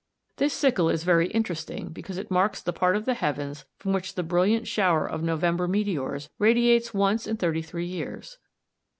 This sickle is very interesting, because it marks the part of the heavens from which the brilliant shower of November meteors radiates once in thirty three years.